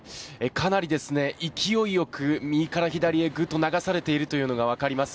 かなり勢いよく右から左へ流されているのが分かります。